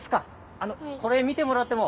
あのこれ見てもらっても。